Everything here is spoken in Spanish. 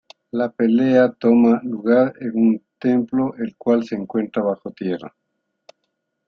La pelea toma lugar en un templo el cual se encuentra bajo tierra.